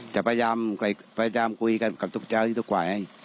จะพยายามคุยกันกับทุกเจ้าที่ทุกฝ่าย